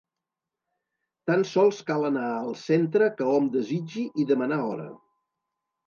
Tan sols cal anar al centre que hom desitgi i demanar hora.